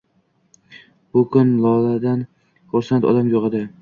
Bu kun Loladan xursand odam yo`q edi